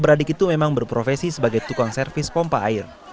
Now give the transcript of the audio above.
beradik itu memang berprofesi sebagai tukang servis pompa air